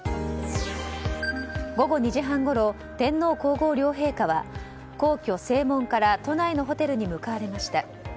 午後２時半ごろ天皇・皇后両陛下は皇居正門から都内のホテルに向かわれました。